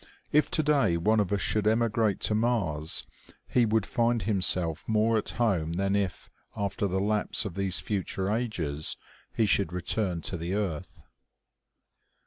If today one of us should emigrate to Mars, he would find himself more at home than if, after the lapse of these future ages, he should return to the earth.